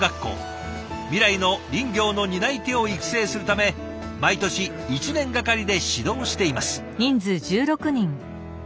未来の林業の担い手を育成するため毎年１年がかりで指導しています。